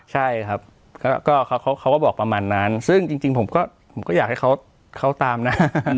ใช่ครับเขาก็บอกประมาณนั้นซึ่งจริงผมก็อยากให้เขาตามนะ